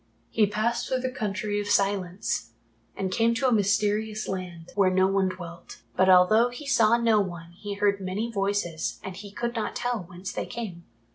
He passed through the Country of Silence, and came to a mysterious land where no one dwelt. But although he saw no one he heard many voices and he could not tell whence they came.